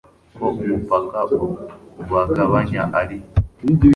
ko umupaka ubagabanya ari